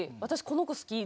私、この子、好き！